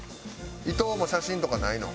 伊藤も写真とかないの？